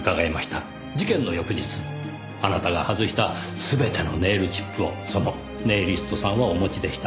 事件の翌日あなたが外した全てのネイルチップをそのネイリストさんはお持ちでした。